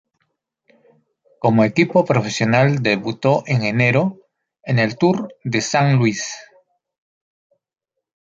Como equipo profesional debutó en enero, en el Tour de San Luis.